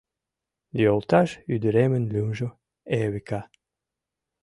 — Йолташ ӱдыремын лӱмжӧ Эвика.